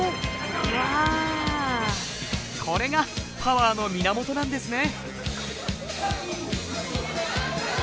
これがパワーの源なんですね。